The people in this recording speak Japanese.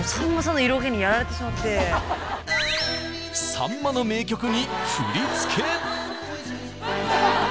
さんまの名曲に振り付け。